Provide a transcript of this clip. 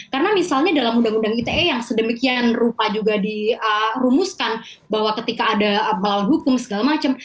karena misalnya dalam undang undang ite yang sedemikian rupa juga dirumuskan bahwa ketika ada malang hukum segala macam